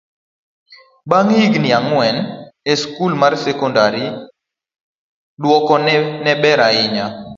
bang' higni ang'wen e skul mar sekondar, dwokone ne ber ahinya